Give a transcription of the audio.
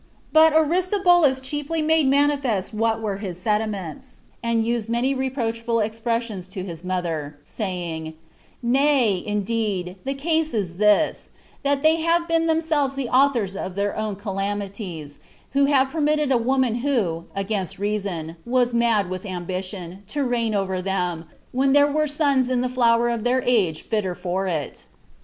But Aristobulus chiefly made manifest what were his sentiments, and used many reproachful expressions to his mother, [saying,] "Nay, indeed, the case is this, that they have been themselves the authors of their own calamities, who have permitted a woman who, against reason, was mad with ambition, to reign over them, when there were sons in the flower of their age fitter for it."